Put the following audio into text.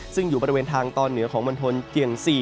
ซึ่งอยู่บริเวณทางตอนเหนือของมณฑลเจียง๔